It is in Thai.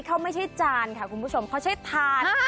เขาไม่ใช่จานค่ะคุณผู้ชมเขาใช้ทาน